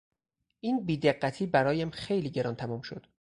این بی دقتی برایم خیلی گران تمام شد.